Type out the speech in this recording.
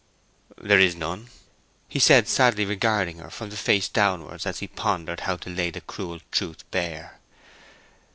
"There is none," he said, sadly regarding her from the face downward as he pondered how to lay the cruel truth bare.